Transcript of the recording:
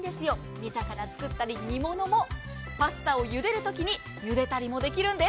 煮魚作ったり、煮物も、パスタをゆでるときにゆでたりもできるんです。